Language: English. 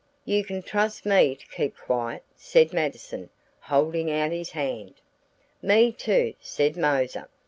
"You can trust me to keep quiet," said Mattison, holding out his hand. "Me too," said Moser.